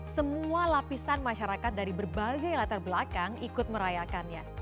semua lapisan masyarakat dari berbagai latar belakang ikut merayakannya